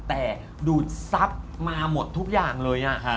แต่ดูดทรัพย์มาหมดทุกอย่างเลย